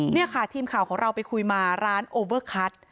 นี่ค่ะทีมข่าวของเราไปคุยมาร้านโอเวอร์คัท